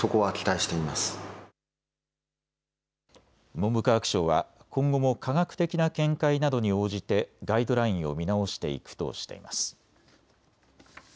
文部科学省は今後も科学的な見解などに応じてガイドラインを見直していくとしています。